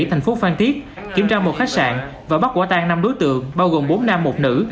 thành phố phan thiết kiểm tra một khách sạn và bắt quả tan năm đối tượng bao gồm bốn nam một nữ